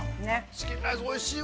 ◆チキンライス、おいしいわ。